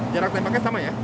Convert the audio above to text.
jarak tembaknya sama ya